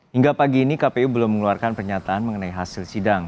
hingga pagi ini kpu belum mengeluarkan pernyataan mengenai hasil sidang